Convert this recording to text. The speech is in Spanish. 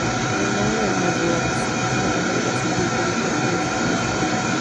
El reinado de Mitrídates supuso la consolidación del imperio parto y de su dinastía.